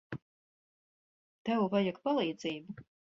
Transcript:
Tev vajag palīdzību.